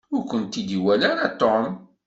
Ur kent-id-iwala ara Tom.